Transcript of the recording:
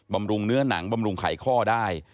บำรุงเนื้อหนังบำรุงไขข้อได้